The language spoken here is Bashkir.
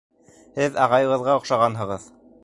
Һеҙ ағайығыҙға оҡшағанһығыҙ